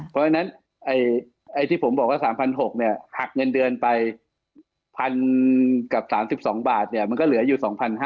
เพราะฉะนั้นที่ผมบอกว่า๓๖๐๐เนี่ยหักเงินเดือนไป๑๐๐กับ๓๒บาทมันก็เหลืออยู่๒๕๐๐